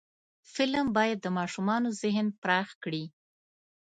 فلم باید د ماشومانو ذهن پراخ کړي